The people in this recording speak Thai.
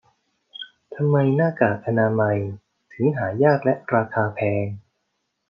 ทำไมหน้ากากอนามัยถึงหายากและราคาแพง